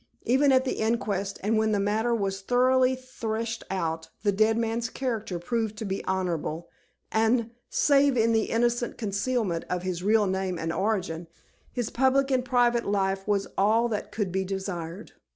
Even at the inquest, and when the matter was thoroughly threshed out, the dead man's character proved to be honorable, and save in the innocent concealment of his real name and origin his public and private life was all that could be desired.